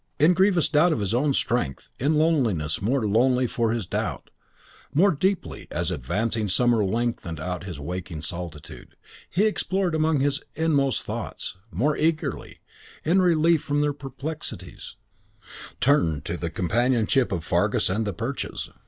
In grievous doubt of his own strength, in loneliness more lonely for his doubt, more deeply, as advancing summer lengthened out his waking solitude, he explored among his inmost thoughts; more eagerly, in relief from their perplexities, turned to the companionship of Fargus and the Perches.